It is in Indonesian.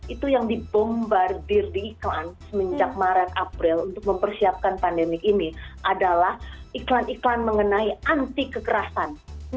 itu yang dibombardir di iklan semenjak maret april untuk mempersiapkan pandemi ini adalah iklan iklan mengenai anti kekerasan